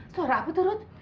suara apa tuh rut